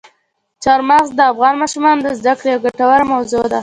چار مغز د افغان ماشومانو د زده کړې یوه ګټوره موضوع ده.